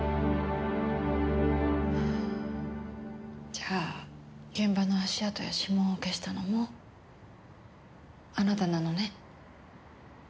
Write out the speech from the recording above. じゃあ現場の足跡や指紋を消したのもあなたなのね？